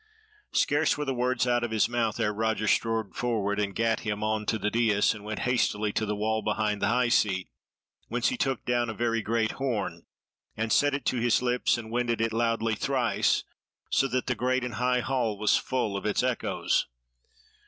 Scarce were the words out of his mouth ere Roger strode forward and gat him on to the dais and went hastily to the wall behind the high seat, whence he took down a very great horn, and set it to his lips and winded it loudly thrice, so that the great and high hall was full of its echoes.